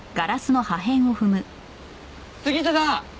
杉下さん！